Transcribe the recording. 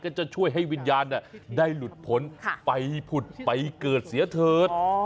จะช่วยให้วิญญาณได้หลุดผลไปผุดไปเกิดเสียเถิด